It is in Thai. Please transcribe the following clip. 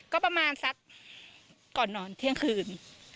ก็ประมาณสักก่อนนอนเที่ยงคืน